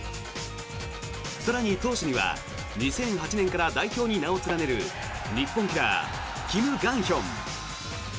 更に、投手には２００８年から代表に名を連ねる日本キラーキム・グァンヒョン。